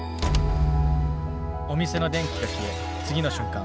お店の電気が消え次の瞬間。